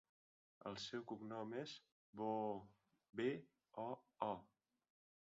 El seu cognom és Boo: be, o, o.